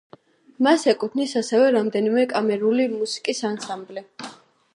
მას ეკუთვნის ასევე რამდენიმე კამერული მუსიკის ანსამბლი.